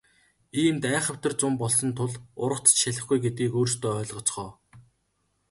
Иймд айхавтар зун болсон тул ургац ч шалихгүй гэдгийг өөрсдөө ойлгоцгоо.